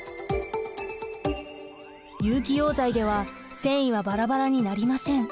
有機溶剤では繊維はバラバラになりません。